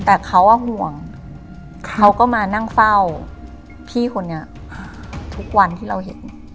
แต่เขาห่วงเขาก็มานั่งเฝ้าพี่คนนี้ทุกวันที่เราเห็น